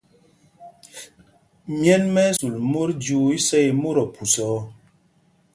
Myɛ̂n mɛ́ ɛ́ sul mot jyuu isá í mot ophusa ɔ.